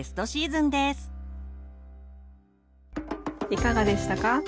いかがでしたか？